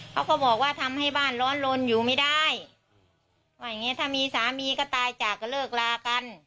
เขาก็บอกว่าทำให้บ้านร้อนลนอยู่ไม่ได้ว่าอย่างเงี้ถ้ามีสามีก็ตายจากก็เลิกลากัน